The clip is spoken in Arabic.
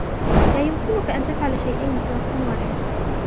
لا يمكنك أن تفعل شيئين في وقت واحد.